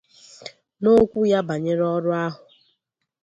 N'okwu ya banyere ọrụ ahụ